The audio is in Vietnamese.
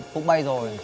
cũng bay rồi